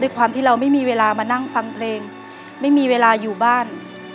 ความที่เราไม่มีเวลามานั่งฟังเพลงไม่มีเวลาอยู่บ้าน